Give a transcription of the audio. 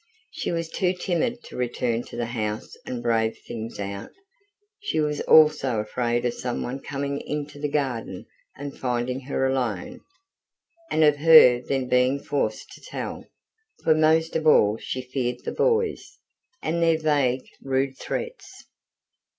She was too timid to return to the house and brave things out; she was also afraid of some one coming into the garden and finding her alone, and of her then being forced to "tell"; for most of all she feared the boys, and their vague, rude threats.